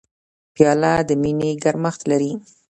پیاله د مینې ګرمښت لري.